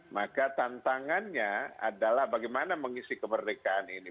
maka tantangannya adalah bagaimana mengisi kemerdekaan ini